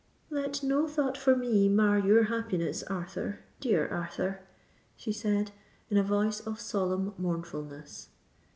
"Let no thought for me mar your happiness, Arthur—dear Arthur," she said, in a voice of solemn mournfulness.